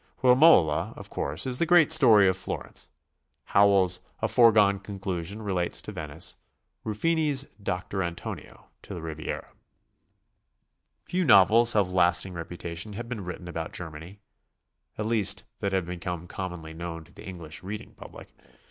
"Romola," of course, is the great story for Flor ence. Howells' "A Foregone Conclusion" relates to Venice, Ruffini's "Doctor Antonio" to the Riviera. Few novels of lasting reputation have been written about Germany, — at least that have become commonly known to the English reading public.